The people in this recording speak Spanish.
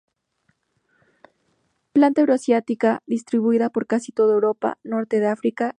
Planta euroasiática, distribuida por casi toda Europa, norte de África y oeste de Asia.